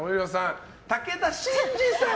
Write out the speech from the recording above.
武田真治さん。